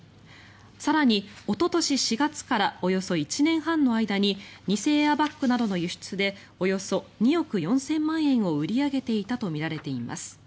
更に、おととし４月からおよそ１年半の間に偽エアバッグなどの輸出でおよそ２億４０００万円を売り上げていたとみられています。